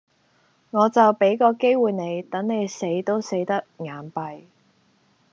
我就畀個機會你，等你死都死得眼閉